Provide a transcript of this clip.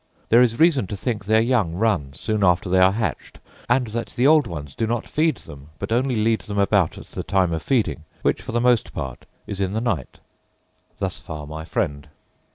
There is reason to think their young run soon after they are hatched; and that the old ones do not feed them, but only lead them about at the time of feeding, which, for the most part, is in the night.' Thus far my friend.